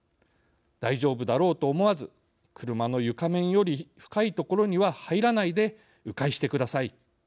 大丈夫だろうと思わず車の床面より深い所には入らないでう回してください。